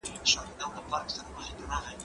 کېدای سي مکتب بند وي،